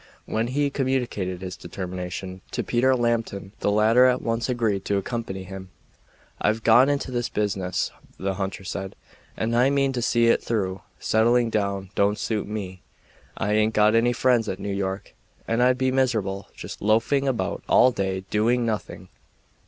When he communicated his determination to Peter Lambton the latter at once agreed to accompany him. "I've gone into this business," the hunter said, "and I mean to see it through. Settling down don't suit me. I aint got any friends at New York, and I'd be miserable just loafing about all day doing nothing.